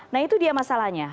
nah itu dia masalahnya